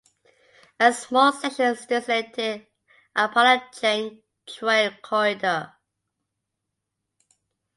A small section is designated "Appalachian Trail Corridor".